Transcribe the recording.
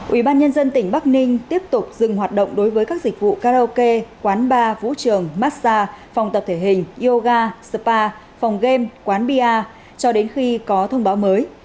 ubnd tỉnh bắc ninh tiếp tục dừng hoạt động đối với các dịch vụ karaoke quán bar vũ trường massage phòng tập thể hình yoga spa phòng game quán bia cho đến khi có thông báo mới